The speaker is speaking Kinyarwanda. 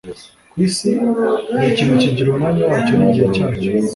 ku isi, buri kintu kigira umwanya wacyo n'igihe cyacyo